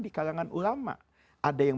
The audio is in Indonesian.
di kalangan ulama ada yang